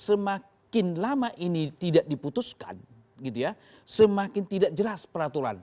semakin lama ini tidak diputuskan semakin tidak jelas peraturan